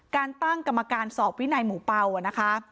การตั้งกรรมการสอบวินัยหมูเป่านะคะ